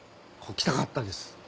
来たかったです。